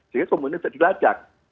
jadi kemudian bisa dilacak